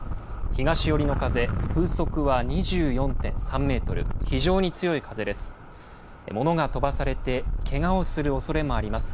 東寄りの風、風速は２４．３メートル、非常に強い風です。